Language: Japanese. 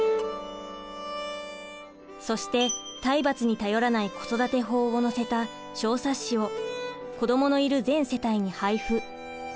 そして体罰に頼らない子育て法を載せた小冊子を子どものいる全世帯に配布。